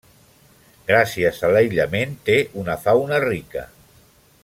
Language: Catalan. Gràcies a l'aïllament té una fauna rica.